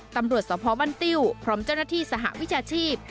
ตำรวจสภบ้านติ้วพร้อมเจ้าหน้าที่สหวิชาชีพ